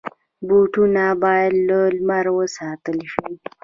بوټونه باید له لمره وساتل شي.